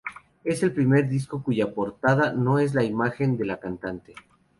Es el primer disco cuya portada no es la imagen de la cantante.